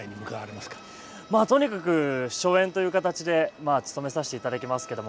まあとにかく初演という形でつとめさせていただきますけども。